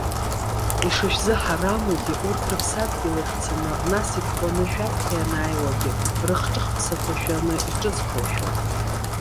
Ишышәзыҳарамугьы, урҭ рыԥсадгьыл иахцаны, нас итҟәаны шәаԥхьа ианааиуагьы рыхҿыхԥсақәа шәаны иҿызхуа шәоуп.